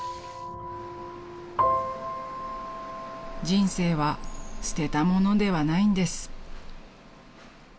［人生は捨てたものではないんです］